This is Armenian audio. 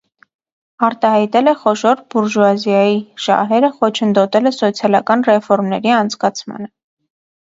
Արտահայտել է խոշոր բուրժուազիայի շահերը, խոչընդոտել է սոցիալական ռեֆորմների անցկացմանը։